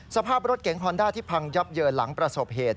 สภาพรถเก๋งฮอนด้าที่พังยับเยินหลังประสบเหตุ